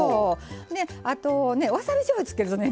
であとねわさびじょうゆつけるとね